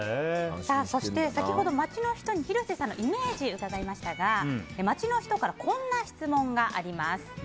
そして先ほど街の人に広瀬さんのイメージを伺いましたが街の人からこんな質問があります。